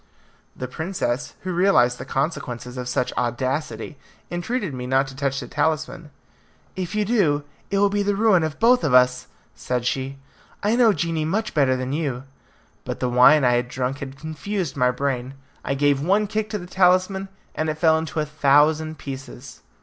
The princess, who realized the consequences of such audacity, entreated me not to touch the talisman. "If you do, it will be the ruin of both of us," said she; "I know genii much better than you." But the wine I had drunk had confused my brain; I gave one kick to the talisman, and it fell into a thousand pieces.